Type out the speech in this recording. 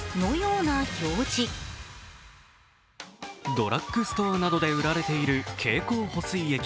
ドラッグストアなどで売られている経口補水液。